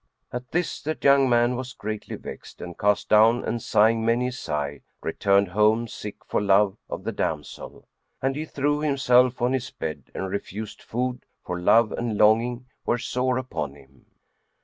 At this the young man was greatly vexed and cast down and, sighing many a sigh, returned home, sick for love of the damsel; and he threw himself on his bed and refused food, for love and longing were sore upon him.